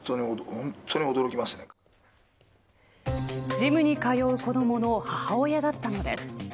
ジムに通う子どもの母親だったのです。